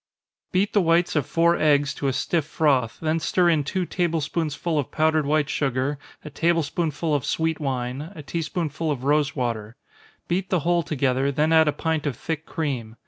_ Beat the whites of four eggs to a stiff froth then stir in two table spoonsful of powdered white sugar, a table spoonful of sweet wine, a tea spoonful of rosewater. Beat the whole together, then add a pint of thick cream.